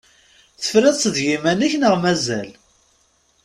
Tefriḍ-tt d yiman-ik neɣ mazal?